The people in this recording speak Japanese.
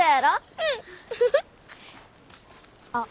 うん。あっ。